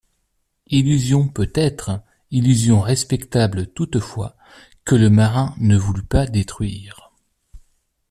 Illusion peut-être, illusion respectable toutefois, que le marin ne voulut pas détruire!